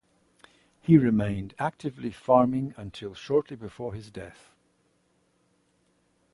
He remained actively farming until shortly before his death.